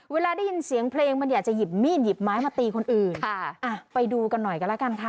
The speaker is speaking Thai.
เวลาได้ยินเสียงเพลงมันอยากจะหยิบมีดหยิบไม้มาตีคนอื่นค่ะอ่ะไปดูกันหน่อยกันแล้วกันค่ะ